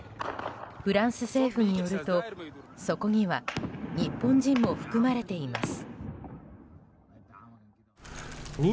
フランス政府によると、そこには日本人も含まれています。